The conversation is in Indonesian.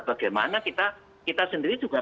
bagaimana kita sendiri juga